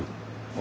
あ。